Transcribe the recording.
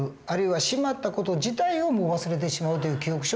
あるいはしまった事自体をもう忘れてしまうという記憶